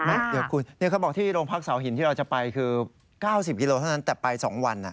เดี๋ยวคุณเขาบอกที่โรงพักเสาหินที่เราจะไปคือ๙๐กิโลเท่านั้นแต่ไป๒วัน